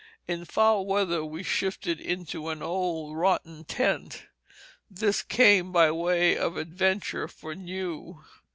In foul weather we shifted into an old rotten tent; this came by way of adventure for new.